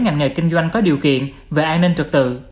ngành nghề kinh doanh có điều kiện về an ninh trật tự